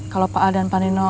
kalau pak al dan pak nino